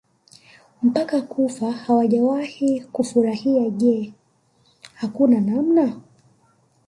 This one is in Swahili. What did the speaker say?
mpaka kufa hawajawahi kufurahia Je hakuna namna